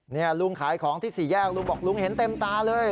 นี่ลุงขายของที่สี่แยกลุงบอกลุงเห็นเต็มตาเลย